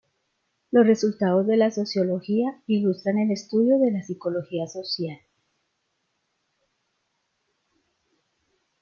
Los resultados de la sociología ilustran el estudio de la psicología social.